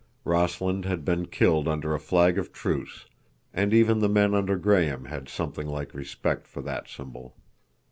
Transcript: Rossland had been killed under a flag of truce, and even the men under Graham had something like respect for that symbol.